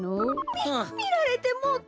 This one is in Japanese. みみられてもうた。